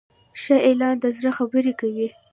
ښه اعلان د زړه خبرې کوي.